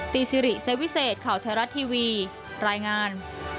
ซิริเซวิเศษข่าวไทยรัฐทีวีรายงาน